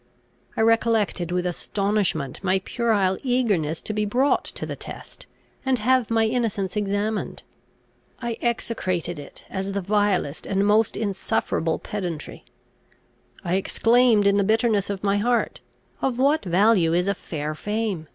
I recollected with astonishment my puerile eagerness to be brought to the test, and have my innocence examined. I execrated it, as the vilest and most insufferable pedantry. I exclaimed, in the bitterness of my heart, "Of what value is a fair fame?